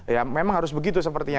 ya memang harus begitu sepertinya